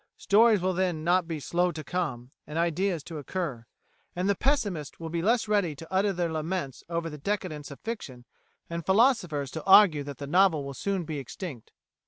Stories will then not be slow to "come" and ideas to "occur"; and the pessimists will be less ready to utter their laments over the decadence of fiction and philosophers to argue that the novel will soon become extinct.